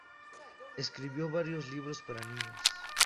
Escribió varios libros para niños.